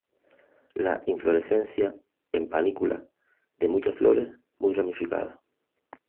La inflorescencia en panícula de muchas flores, muy ramificada.